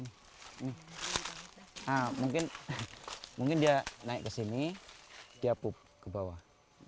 nah mungkin dia naik ke sini dia pop ke bawah